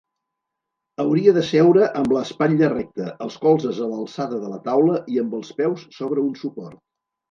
Hauria de seure amb l'espatlla recta, els colzes a l'alçada de la taula i amb els peus sobre un suport.